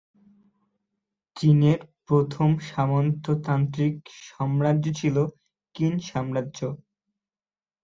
চীনের প্রথম সামন্ততান্ত্রিক সাম্রাজ্য ছিল কিন সাম্রাজ্য।